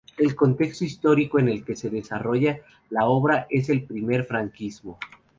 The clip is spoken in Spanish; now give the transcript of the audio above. El contexto histórico en el que se desarrolla la obra es el primer franquismo.